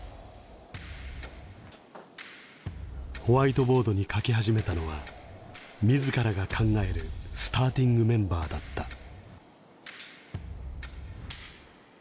ホワイトボードに書き始めたのはみずからが考えるスターティングメンバ―だった。